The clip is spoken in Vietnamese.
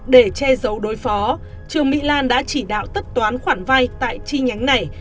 để che giấu đối phó trương mỹ lan đã chỉ đạo tất toán khoản vay tại chi nhánh này